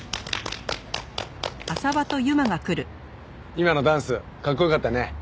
今のダンスかっこよかったね。